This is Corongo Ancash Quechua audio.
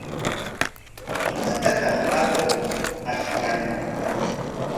¿Imatataq atuq ashiykan?